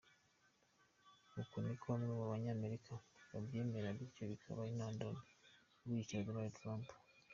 Uku niko bamwe mu banyamerika babyemera, bityo bikaba intandaro yo gushyigikira Donald Trump.